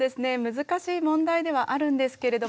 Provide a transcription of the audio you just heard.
難しい問題ではあるんですけれども。